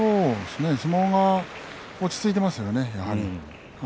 相撲が落ち着いてますよねやはり。